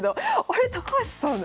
あれ高橋さん